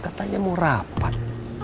katanya mau rapat